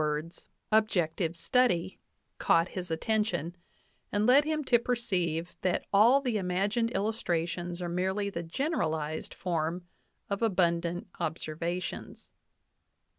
JWtflJ,, DAVIS "objective study," caught his attention, and led him to perceive that all the imagined illustrations are merely the generalized form of abundant observations.